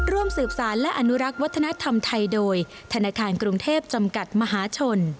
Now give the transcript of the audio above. ร่วมสืบสารและอนุรักษ์วัฒนธรรมไทยโดยธนาคารกรุงเทพจำกัดมหาชน